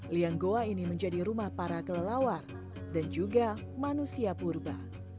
liang goa ini menjadi rumah para kelelawar dan juga manusia purba